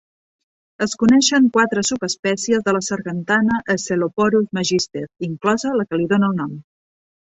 Es coneixen quatre subespècies de la sargantana "Sceloporus Magister", inclosa la que li dona el nom.